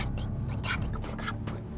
nanti penjahatnya kabur kabur